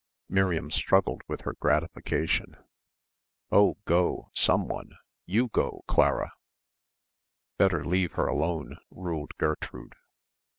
Miriam struggled with her gratification. "Oh go, som one; go you, Clara!" "Better leave her alone," ruled Gertrude.